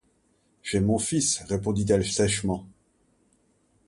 J’ai mon fils, répondit-elle sèchement.